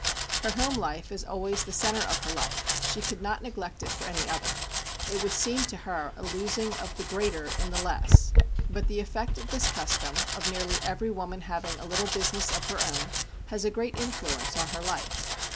Her home life is always the centre of her life; she could not neglect it for any other: it would seem to her a losing of the greater in the less. But the effect of this custom of nearly every woman having a little business of her own has a great influence on her life.